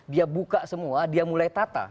dia buka semua dia mulai tata